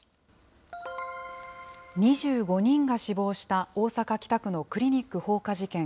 ２５人が死亡した大阪・北区のクリニック放火事件。